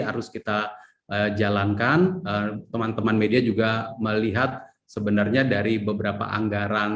harus kita jalankan teman teman media juga melihat sebenarnya dari belanja belanja yang kita perhatikan